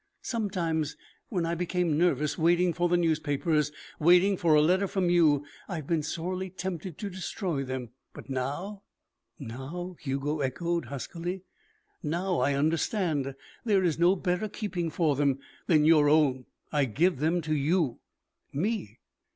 Sometimes, when I became nervous waiting for the newspapers, waiting for a letter from you, I have been sorely tempted to destroy them. But now " "Now?" Hugo echoed huskily. "Now I understand. There is no better keeping for them than your own. I give them to you." "Me!"